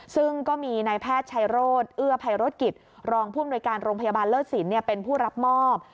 ซึ่งก็มีนายแพทย์ชัยโรธเอื้อภัยรถกิจรองผู้อำนวยการโรงพยาบาลเลิศสินเป็นผู้รับมอบ